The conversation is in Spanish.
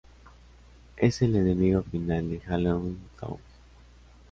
Es el enemigo final de Halloween Town.